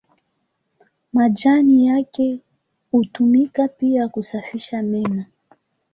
Majani yake hutumika pia kusafisha meno.